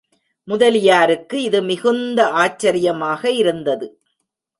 முதலியாருக்கு இது மிகுந்த ஆச்சரியமாக இருந்தது.